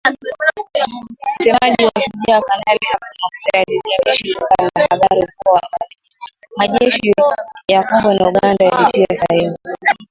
Msemaji wa Shujaa, Kanali Mak Hazukay aliliambia shirika la habari kuwa majeshi ya Kongo na Uganda yalitia saini.